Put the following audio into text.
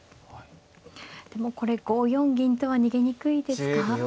でもこれ５四銀とは逃げにくいですか。